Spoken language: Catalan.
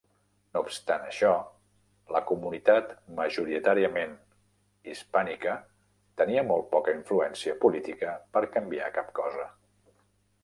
No obstant això, la comunitat majoritàriament hispànica tenia molt poca influència política per canviar cap cosa.